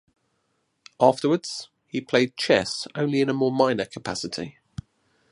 Afterwards, he played chess only in a more minor capacity.